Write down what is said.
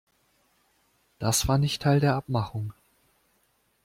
Das war nicht Teil der Abmachung!